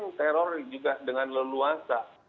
maka bagaimana mungkin teror juga dengan leluasa